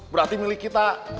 berarti milik kita